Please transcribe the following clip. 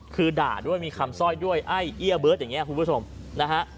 คือด่าด้วยมีคำสร้อยด้วยไอ้เอี้ยเบิร์ตอย่างนี้คุณผู้ชมนะฮะ